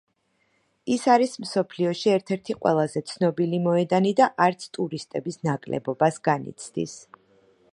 ის არის მსოფლიოში ერთ-ერთი ყველაზე ცნობილი მოედანი და არც ტურისტების ნაკლებობას განიცდის.